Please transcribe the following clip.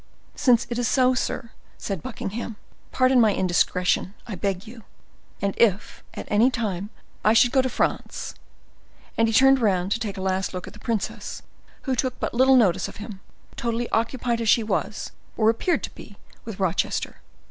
"Since it is so, sir," said Buckingham, "pardon my indiscretion, I beg you; and if, at any time, I should go into France—" and he turned round to take a last look at the princess, who took but little notice of him, totally occupied as she was, or appeared to be, with Rochester.